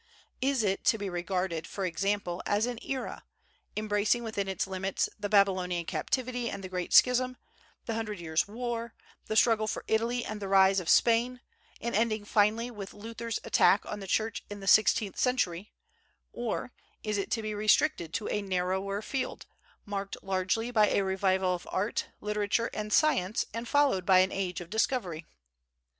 Is it to be regarded, for example, as an era, embracing within its limits the Babylonian Captivity and the Great Schism, the Hundred Years' War, the struggle for Italy and the rise of Spain, and ending finally with Luther's attack on the Church in the sixteenth century; or is it to be restricted to a narrower field, marked largely by a revival of art, literature, and science and followed by an age of discovery?